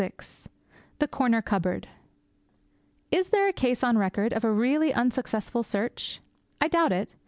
VI THE CORNER CUPBOARD Is there a case on record of a really unsuccessful search? I doubt it.